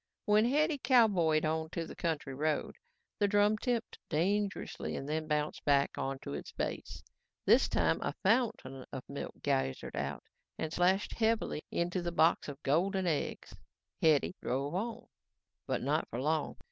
When Hetty cowboyed onto the county road, the drum tipped dangerously and then bounced back onto its base. This time a fountain of milk geysered out and splashed heavily into the box of golden eggs. Hetty drove on. But not for long.